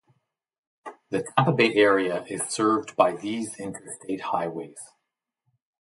The Tampa Bay Area is served by these interstate highways.